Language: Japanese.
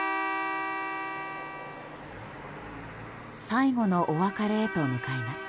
最後のお別れへと向かいます。